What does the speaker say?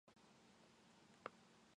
追ってそう願う事にしよう